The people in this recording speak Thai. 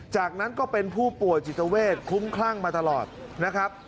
จากนั้นก็เป็นผู้ป่วยจิตเวทคลุ้มคลั่งมาตลอดนะครับ